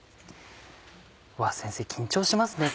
わ先生緊張しますね